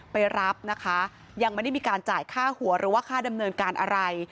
ไปรับนะคะยังไม่ได้มีการจ่ายค่าหัวหรือว่าค่าดำเนินการอะไร